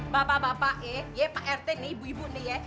bapak bapak pak rt nih ibu ibu nih ya